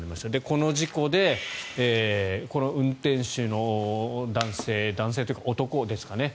この事故で、この運転手の男性男性というか男ですかね。